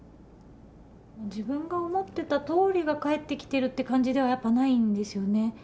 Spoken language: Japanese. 自分が思ってたとおりが返ってきてるって感じではやっぱないんですよね。